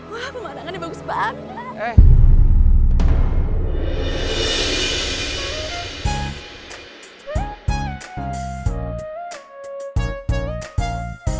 wah pemandangan ini bagus banget